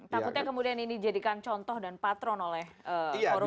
takutnya kemudian ini dijadikan contoh dan patron oleh koruptor yang lain